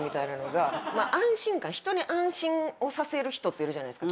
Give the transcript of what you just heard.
安心感人に安心をさせる人っているじゃないですか。